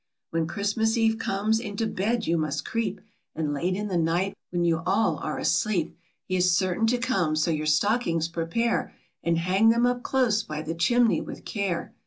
When Christmas Eve comes, into bed you must creep, And late in the night, when you all are asleep, He is certain to come; so your stockings prepare, And hang them up close by the chimney with care.